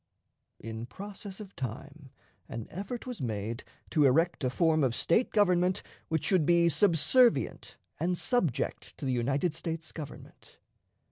In process of time, an effort was made to erect a form of State government which should be subservient and subject to the United States Government.